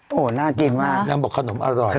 โอ้โฮหน้าเกรงมากแล้วบอกขนมอร่อย